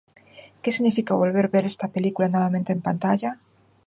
Que significa volver ver estar película novamente en pantalla?